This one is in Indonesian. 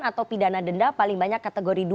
atau pidana denda paling banyak kategori dua